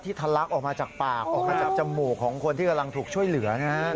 ทะลักออกมาจากปากออกมาจากจมูกของคนที่กำลังถูกช่วยเหลือนะฮะ